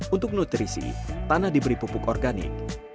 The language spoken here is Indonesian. untuk nutrisi tanah diberi pupuk organik